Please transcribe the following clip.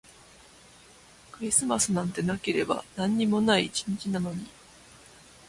クリスマスなんてなければ何にもない一日なのに